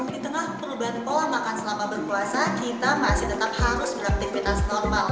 di tengah perubahan pola makan selama berpuasa kita masih tetap harus beraktivitas normal